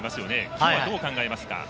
今日はどう考えますか？